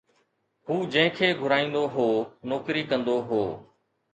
هو جنهن کي گهرائيندو هو، نوڪري ڪندو هو